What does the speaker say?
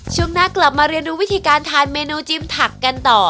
ช่วงหน้ากลับมาเรียนรู้วิธีการทานเมนูจิ้มถักกันต่อ